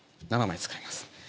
７枚使います。